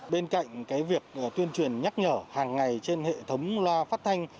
bên cạnh việc tuyên truyền nhắc nhở hàng ngày trên hệ thống loa phát thanh